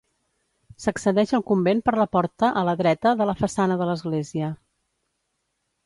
S'accedeix al convent per la porta a la dreta de la façana de l'església.